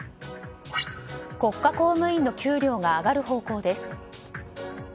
国家公務員の給料が上がる方向です。